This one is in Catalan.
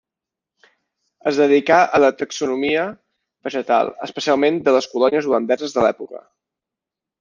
Es dedicà a la taxonomia vegetal, especialment de les colònies holandeses de l'època.